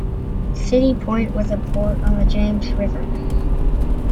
City Point was a port on the James River.